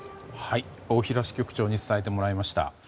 大平支局長に伝えてもらいました。